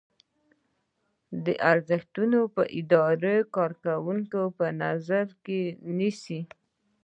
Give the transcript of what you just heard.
دا ارزښتونه په اداره کې کارکوونکي په نظر کې نیسي.